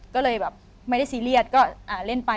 ก็เลยแบบไม่ได้ซีเรียสก็เล่นไป